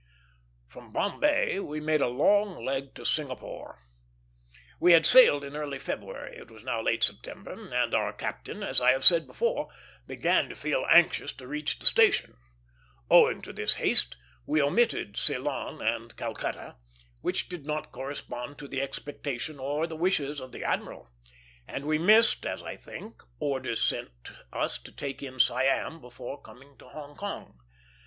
From Bombay we made a long leg to Singapore. We had sailed in early February; it was now late September, and our captain, as I have said before, began to feel anxious to reach the station. Owing to this haste, we omitted Ceylon and Calcutta, which did not correspond to the expectation or the wishes of the admiral; and we missed as I think orders sent us to take in Siam before coming to Hong Kong.